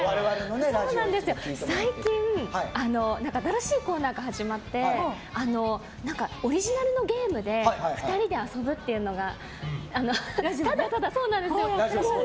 最近新しいコーナーが始まってオリジナルのゲームで２人で遊ぶっていうのが。